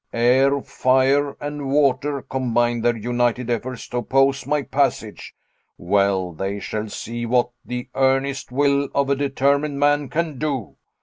Air, fire, and water combine their united efforts to oppose my passage. Well, they shall see what the earnest will of a determined man can do.